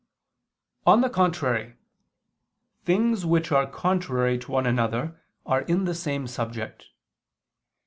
On the contrary, Things which are contrary to one another are in the same subject.